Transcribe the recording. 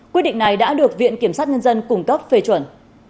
quyết định này đã được viện kiểm sát nhân dân cung cấp phê chuẩn